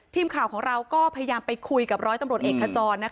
ทีมข่าวของเราก็พยายามไปคุยกับร้อยตำรวจเอกขจร